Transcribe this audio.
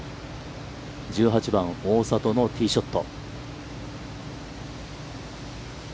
１８番、大里のティーショット。